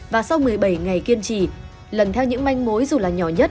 và sau một mươi bảy ngày kiên trì lần theo những manh mối dù là nhỏ nhất